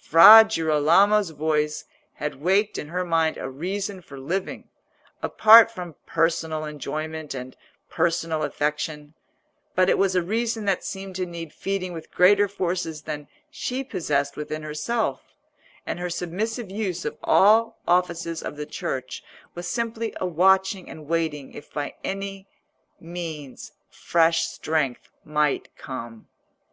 Fra Girolamo's voice had waked in her mind a reason for living, apart from personal enjoyment and personal affection; but it was a reason that seemed to need feeding with greater forces than she possessed within herself, and her submissive use of all offices of the Church was simply a watching and waiting if by any means fresh strength might come.